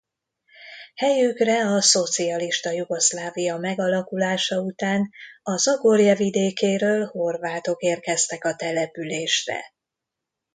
Helyükre a szocialista Jugoszlávia megalakulása után a Zagorje vidékéről horvátok érkeztek a településre.